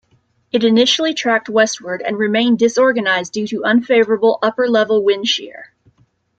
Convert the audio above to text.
It initially tracked westward and remained disorganized due to unfavourable upper-level wind shear.